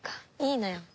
いいのよ。